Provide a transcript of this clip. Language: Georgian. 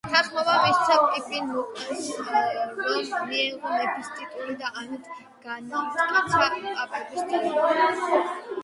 თანხმობა მისცა პიპინ მოკლეს, რომ მიეღო მეფის ტიტული და ამით განამტკიცა პაპების ძალაუფლება.